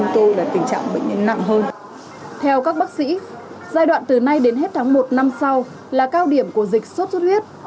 theo các bác sĩ giai đoạn từ nay đến hết tháng một năm sau là cao điểm của dịch sốt xuất huyết